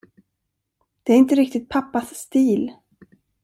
Det är inte riktigt pappas stil.